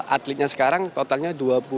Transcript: atletnya sekarang totalnya dua puluh